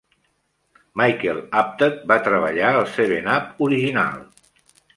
Michael Apted va treballar al "Seven Up" original.